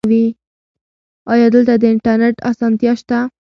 ایا دلته د انټرنیټ اسانتیا شته؟